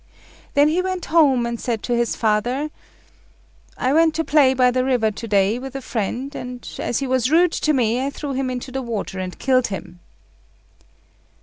Then he went home, and said to his father "I went to play by the river to day, with a friend; and as he was rude to me, I threw him into the water and killed him."